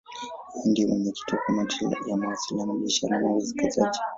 Yeye ndiye mwenyekiti wa Kamati ya Mawasiliano, Biashara na Uwekezaji.